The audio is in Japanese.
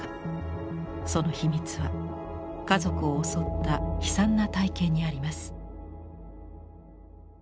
その秘密は家族を襲った悲惨な体験にあります。